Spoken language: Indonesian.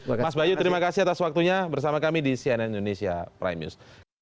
mas bayu terima kasih atas waktunya bersama kami di cnn indonesia prime news